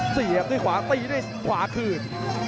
เสียบด้วยขวาตีด้วยขวาคืน